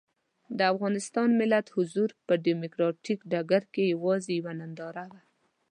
د افغانستان ملت حضور په ډیموکراتیک ډګر کې یوازې یوه ننداره وه.